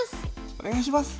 お願いします。